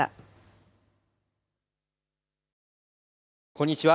こんにちは。